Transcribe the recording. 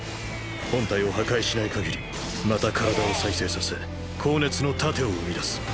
本体を破壊しない限りまた体を再生させ高熱の盾を生み出す。